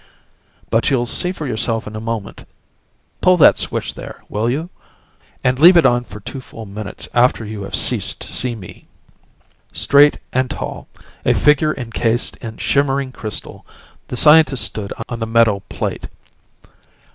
But you'll see for yourself in a moment. Pull that switch, there, will you? And leave it on for two full minutes after you have ceased to see me." Straight and tall, a figure encased in shimmering crystal, the scientist stood on the metal plate.